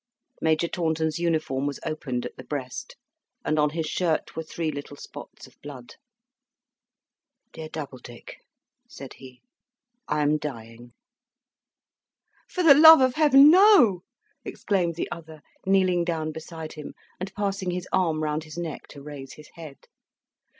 Major Taunton's uniform was opened at the breast, and on his shirt were three little spots of blood. "Dear Doubledick," said he, "I am dying." "For the love of Heaven, no!" exclaimed the other, kneeling down beside him, and passing his arm round his neck to raise his head.